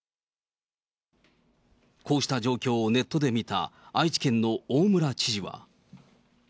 こうした状況をネットで見た、愛知県の大村知事は。